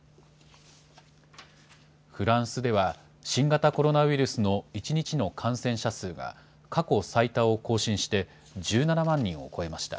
フランスでは新型コロナウイルスの１日の感染者数が、過去最多を更新して、１７万人を超えました。